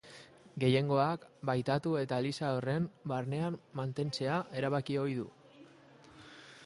Gehiengoak bataiatu eta eliza horren barnean mantentzea erabaki ohi du.